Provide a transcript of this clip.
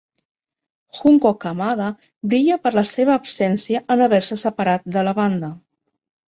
Junko Kamada brilla per la seva absència en haver-se separat de la banda.